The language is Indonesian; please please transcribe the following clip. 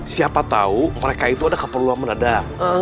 siapa tau mereka itu ada keperluan menadak